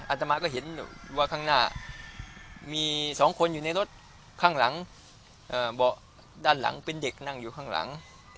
ตมาก็เห็นว่าข้างหน้ามี๒คนอยู่ในรถข้างหลังเบาะด้านหลังเป็นเด็กนั่งอยู่ข้างหลัง